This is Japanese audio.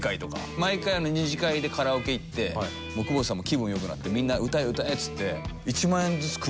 毎回２次会でカラオケ行って久保田さんも気分良くなってみんな歌え歌えっつって。